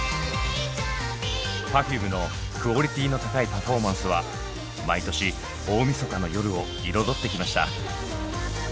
Ｐｅｒｆｕｍｅのクオリティーの高いパフォーマンスは毎年大みそかの夜を彩ってきました。